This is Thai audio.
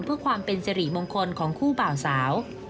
เพื่อความเป็นสิริมงคลของคู่บ่าวสาว